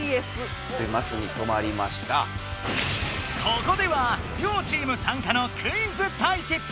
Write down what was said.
ここではりょうチームさんかのクイズ対決！